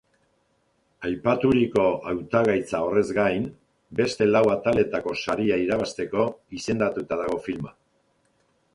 Aipaturiko hautagaitza horrez gain, beste lau ataletako saria irabazteko izendatuta dago filma.